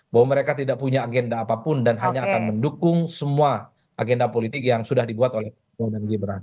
bahwa mereka tidak punya agenda apapun dan hanya akan mendukung semua agenda politik mereka